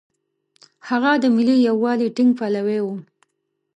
هغه د ملي یووالي ټینګ پلوی و.